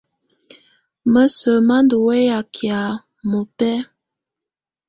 Mǝ́sǝ́ má ndɔ̀ wɛya kɛ̀á mɔ́bɛ̀á.